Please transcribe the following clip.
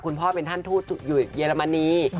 คุณพ่อเป็นท่านทูตอยู่เยอรมนี